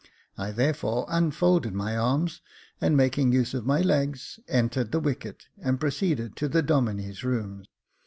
I, therefore, unfolded my arms, and, making use of my legs, entered the wicket, and proceeded to the Domine's room.